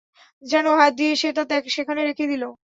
যেন হাত দিয়ে সে তা সেখানে রেখে দিল।